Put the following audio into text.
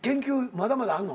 まだまだあんの？